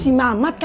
sikmat yang dikira